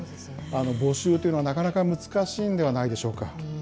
募集というのはなかなか難しいんではないでしょうか。